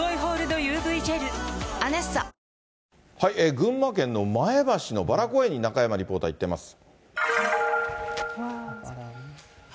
群馬県の前橋のばら公園に中山リポーター、行っています。